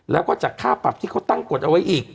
แล้วก็จากค่าปรับที่เขาตั้งกฎเอาไว้อีก